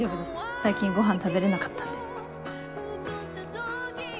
最近ごはん食べれなかったんで。